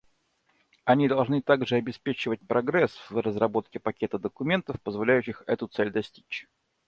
Они должны также обеспечивать прогресс в разработке пакета документов, позволяющих эту цель достичь.